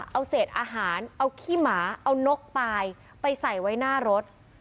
เอาเศษอาหารเอาขี้หมาเอานกปลายไปใส่ไว้หน้ารถ